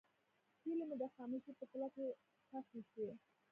هیلې مې د خاموشۍ په تله کې ښخې شوې.